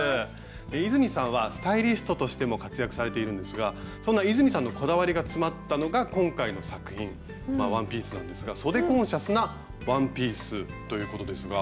泉さんはスタイリストとしても活躍されているんですがそんな泉さんのこだわりが詰まったのが今回の作品ワンピースなんですが「そでコンシャスなワンピース」ということですが。